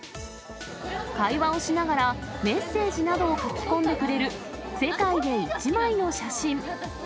会話をしながら、メッセージなどを書き込んでくれる世界で一枚の写真。